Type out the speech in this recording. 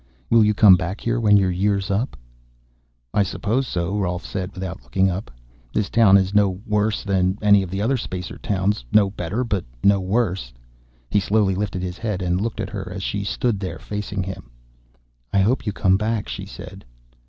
Will you come back here when your year's up?" "I suppose so," Rolf said without looking up. "This town is no worse than any of the other Spacertowns. No better, but no worse." He slowly lifted his head and looked at her as she stood there facing him. "I hope you come back," she said.